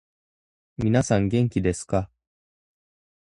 皆さん元気ですか。